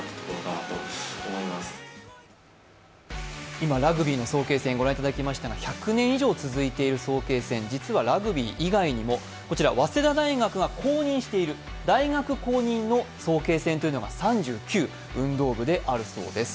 今、ラグビーの早慶戦御覧いただきましたが１００年以上続いている早慶戦実はハグビー以外にも早稲田大学が公認している大学公認の早慶戦というのが３９、運動部であるそうです。